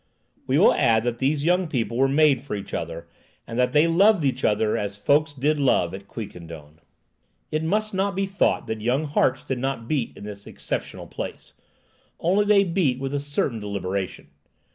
We will add that these young people were made for each other, and that they loved each other, as folks did love at Quiquendone. It must not be thought that young hearts did not beat in this exceptional place; only they beat with a certain deliberation.